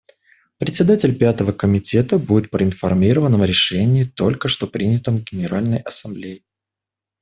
Председатель Пятого комитета будет проинформирован о решении, только что принятом Генеральной Ассамблеей.